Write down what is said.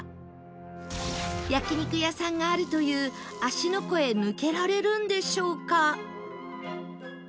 焼肉屋さんがあるという芦ノ湖へ抜けられるんでしょうか？